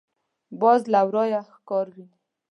باز له ورايه ښکار ویني